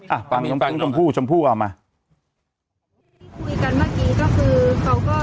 อ่ะฟังชมผู้ชมผู้เอามา